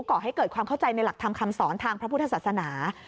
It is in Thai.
ก่อให้เกิดความเข้าใจในหลักธรรมคำสอนทางพระพุทธศาสนา